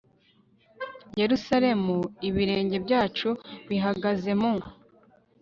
yerusalemu ibirenge byacu bihagaze mu